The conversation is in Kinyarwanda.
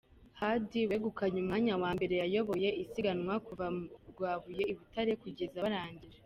Hadi wegukanye umwanya wa mbere yayoboye isiganwa kuva mu Rwabuye i Butare kugeza barangije.